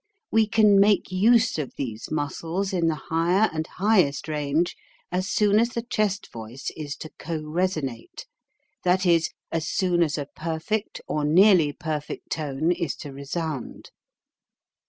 We can make use of these muscles in the higher and highest range as soon as the chest voice is to coresonate, that is, as soon as a perfect or nearly perfect tone is to resound.